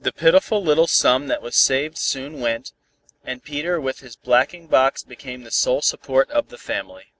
The pitiful little sum that was saved soon went, and Peter with his blacking box became the sole support of the family.